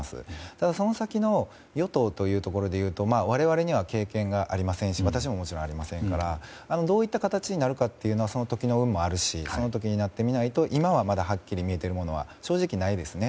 ただ、その先の与党というところで言うと我々には経験がありませんし私も、もちろんありませんからどういった形になるかというのはその時の運もあるしその時になってみないと今はまだはっきり見えているものは正直ないですね。